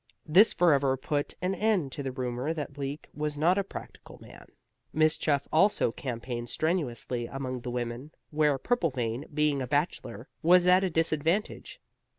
This forever put an end to the rumor that Bleak was not a practical man. Miss Chuff also campaigned strenuously among the women, where Purplevein (being a bachelor) was at a disadvantage.